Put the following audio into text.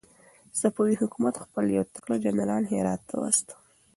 صفوي حکومت خپل يو تکړه جنرال هرات ته واستاوه.